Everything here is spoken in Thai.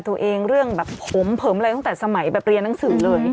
เรื่องแบบผมเผิมอะไรตั้งแต่สมัยแบบเรียนหนังสือเลย